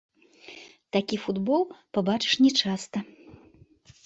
Такі футбол пабачыш нячаста.